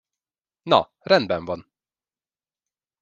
Na, rendben van!